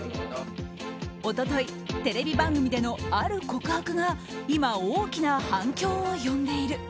一昨日テレビ番組でのある告白が今、大きな反響を呼んでいる。